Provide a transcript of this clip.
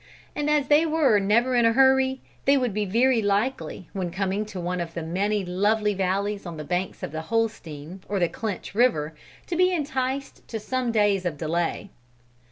And as they were never in a hurry, they would be very likely, when coming to one of the many lovely valleys on the banks of the Holstein, or the Clinch river, to be enticed to some days of delay.